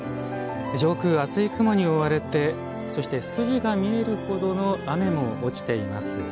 上空、厚い雲に覆われてそして、筋が見えるほどの雨も落ちています。